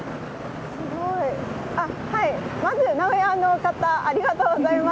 まず名古屋の方ありがとうございます。